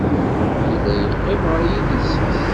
Yella yeqqim ɣer yidis-is.